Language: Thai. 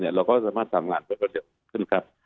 เราก็สามารถทำงานเพิ่มกว่าเดียวขึ้นครับ